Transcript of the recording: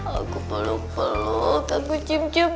aku peluk peluk aku cium cium